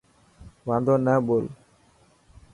واندو نا ٻول.